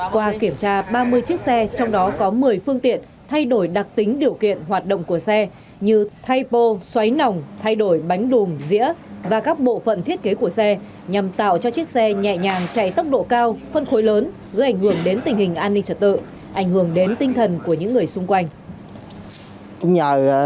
qua kiểm tra ba mươi chiếc xe trong đó có một mươi phương tiện thay đổi đặc tính điều kiện hoạt động của xe như thay bô xoáy nòng thay đổi bánh đùm dĩa và các bộ phận thiết kế của xe nhằm tạo cho chiếc xe nhẹ nhàng chạy tốc độ cao phân khối lớn gây ảnh hưởng đến tình hình an ninh trật tự ảnh hưởng đến tinh thần của những người xung quanh